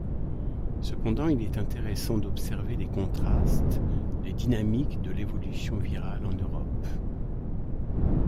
Cependant, il est intéressant d'observer les contrastes, les dynamiques de l'évolution virale en Europe.